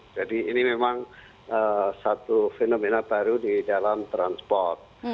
jadi ini memang satu fenomena baru di dalam transport